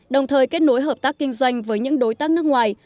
đồng thời kết nối hợp tác kinh doanh với những đối tác nước ngoài